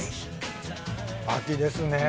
秋ですねぇ。